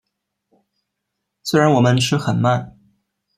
虽然我们吃很慢